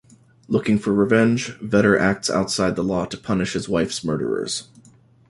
Looking for revenge, Vetter acts outside the law to punish his wife's murderers.